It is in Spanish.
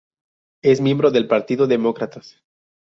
Es miembro del partido Demócratas.